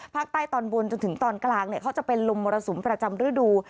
ตอนบนจนถึงตอนกลางเขาจะเป็นลมมรสุมประจำฤดู